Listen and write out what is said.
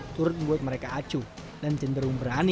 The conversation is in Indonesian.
turut membuat mereka acu dan cenderung berani